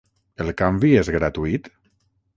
El canvi és gratuït?